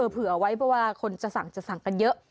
เผื่อไว้เพราะว่าคนจะสั่งจะสั่งกันเยอะ